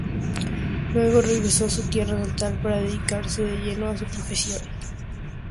Luego, regresó a su tierra natal para dedicarse de lleno a su profesión.